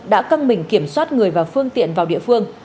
đã căng mình kiểm soát người và phương tiện vào địa phương